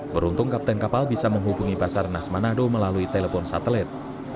beruntung kapten kapal bisa menghubungi basarnas manado melalui telepon satelit